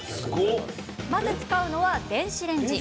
まず使うのは電子レンジ。